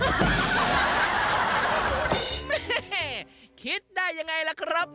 แม่คิดได้ยังไงล่ะครับ